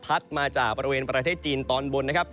มาจากบริเวณประเทศจีนตอนบนนะครับ